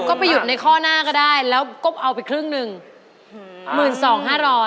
ก็ใช่เวลาเดียวนี้ค่ะ